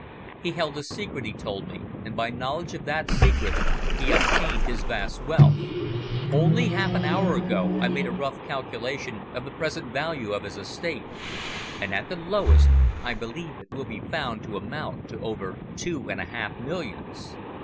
He held a secret, he told me, and by knowledge of that secret, he obtained his vast wealth. Only half an hour ago I made a rough calculation of the present value of his estate, and at the lowest, I believe it will be found to amount to over two and a half millions.